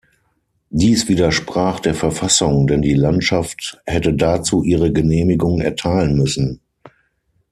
Dies widersprach der Verfassung, denn die Landschaft hätte dazu ihre Genehmigung erteilen müssen.